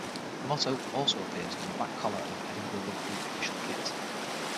The motto also appears on the back collar of Edinburgh Rugby official kit.